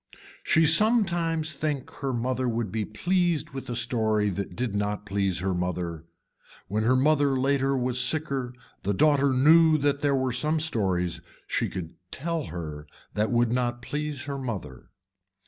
She did sometimes think her mother would be pleased with a story that did not please her mother, when her mother later was sicker the daughter knew that there were some stories she could tell her that would not please her mother.